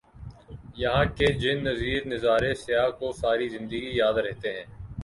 یہاں کے جنت نظیر نظارے سیاح کو ساری زندگی یاد رہتے ہیں